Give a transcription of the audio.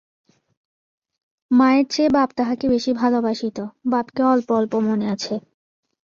মায়ের চেয়ে বাপ তাহাকে বেশি ভালোবাসিত, বাপকে অল্প অল্প মনে আছে।